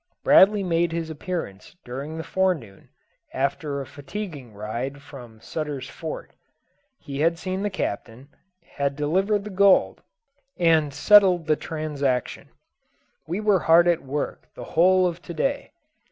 Bradley made his appearance during the forenoon, after a fatiguing ride from Sutter's Fort. He had seen the Captain, had delivered the gold, and settled the transaction. We were hard at work the whole of to day.